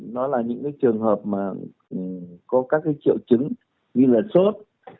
đó là những trường hợp mà có các triệu chứng như là sốt